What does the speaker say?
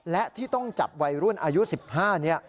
และที่ต้องจับวัยรุ่นอายุ๑๕นี้